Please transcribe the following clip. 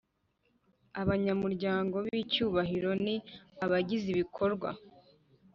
Abanyamuryango b icyubahiro ni abagize ibikorwa